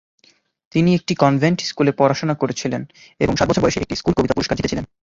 তিনি একটি কনভেন্ট স্কুলে পড়াশোনা করেছিলেন এবং সাত বছর বয়সে একটি "স্কুল কবিতা পুরস্কার" জিতেছিলেন।